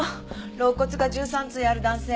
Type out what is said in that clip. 肋骨が１３対ある男性。